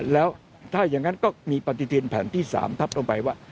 แล้วถ้าอย่างนั้นก็มีปฏิทินแผ่นที่๓ทับลงไปว่า